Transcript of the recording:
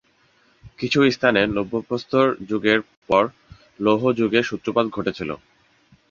কিছু স্থানে, নব্য প্রস্তর যুগের পর লৌহ যুগের সূত্রপাত ঘটেছিল।